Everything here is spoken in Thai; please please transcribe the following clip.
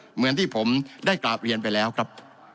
เหมือนที่ผมได้กราบเรียนไปแล้วครับ